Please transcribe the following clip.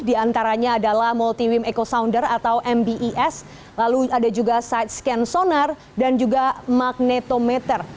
di antaranya adalah multi beam echo sounder atau mbes lalu ada juga side scan sonar dan juga magnetometer